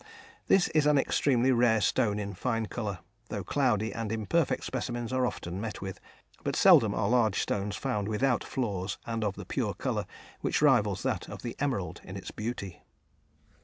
This is an extremely rare stone in fine colour, though cloudy and imperfect specimens are often met with, but seldom are large stones found without flaws and of the pure colour, which rivals that of the emerald in beauty.